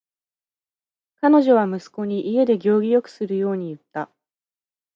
彼女は息子に家で行儀よくするように言った。